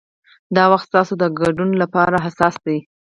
دا وخت ستاسو د ګډون لپاره حساس دی.